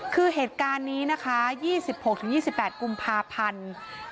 คือเหตุการณ์นี้นะคะ๒๖๒๘กุมภาพันธ์